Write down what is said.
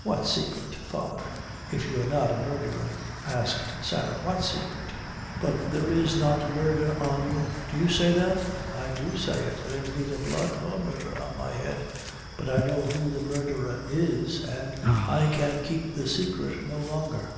"What saicret, father, if you're not a murdherer?" asked Sarah; "what saicret; but there is not murder on you; do you say that?" "I do say it; there's neither blood nor murdher on my head! but I know who the murdherer is, an' I can keep the saicret no longer!"